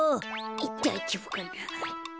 だいじょうぶかな。